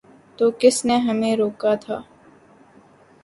تو کس نے ہمیں روکا تھا؟